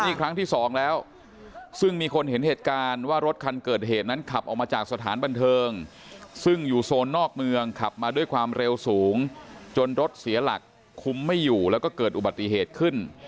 นี่ครั้งที่สองแล้วซึ่งมีคนเห็นเหตุการณ์ว่ารถคันเกิดเหตุนั้นขับออกมาจากสถานบันเทิงซึ่งอยู่โซนนอกเมืองขับมาด้วยความเร็วสูงจนรถเสียหลักคุมไม่อยู่แล้วก็เกิดอุบัติเหตุขึ้น